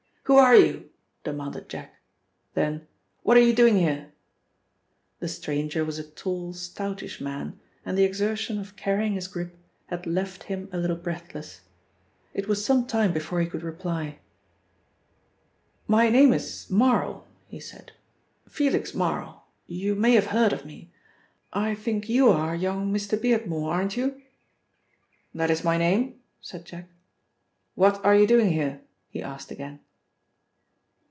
"Who are you?" demanded Jack. Then, "What are you doing here?" The stranger was a tall, stoutish man, and the exertion of carrying his grip had left him a little breathless. It was some time before he could reply. "My name is Marl," he said, "Felix Marl. You may have heard of me. I think you are young Mr. Beardmore, aren't you?" "That is my name," said Jack. "What are you doing here?" he asked again.